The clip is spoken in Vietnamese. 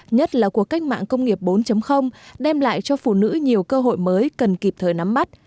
nhất là cuộc cách mạng công nghiệp bốn đem lại cho phụ nữ nhiều cơ hội mới cần kịp thời nắm bắt